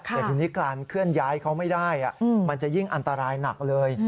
แต่ทีนี้การเคลื่อนย้ายเขาไม่ได้มันจะยิ่งอันตรายหนักเลย